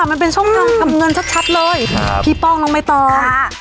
มันเป็นช่องทำเงินชัดชัดเลยครับพี่ป้องลงไปต่อค่ะ